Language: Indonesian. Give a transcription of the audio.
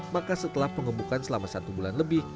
maka setelah pengembukan selama satu bulan lebih